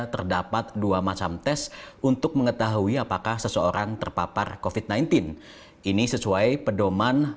terdapat dua macam tes untuk mengetahui apakah seseorang terpapar covid sembilan belas ini sesuai pedoman